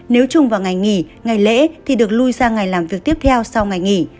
nếu chung vào ngày nghỉ ngày lễ thì được lui sang ngày làm việc tiếp theo sau ngày nghỉ